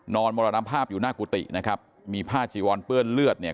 มรณภาพอยู่หน้ากุฏินะครับมีผ้าจีวอนเปื้อนเลือดเนี่ย